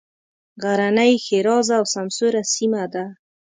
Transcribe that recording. غرنۍ ښېرازه او سمسوره سیمه ده.